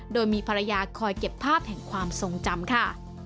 โดยมีภรรยาคอยเก็บภาพแห่งความทรงจำค่ะ